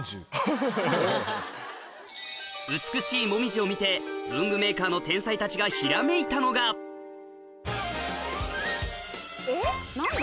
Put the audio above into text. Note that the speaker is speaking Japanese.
美しい紅葉を見て文具メーカーの天才たちがひらめいたのがえっ何で？